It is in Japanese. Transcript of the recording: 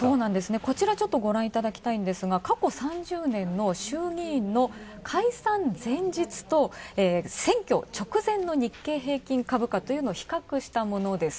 こちら、ちょっとご覧いただきたいんですが過去３０年の衆議院の解散前日と選挙直前の日経平均株価というものを比較したものです。